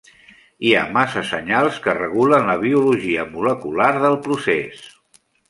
Hi ha massa senyals que regulen la biologia molecular del procés.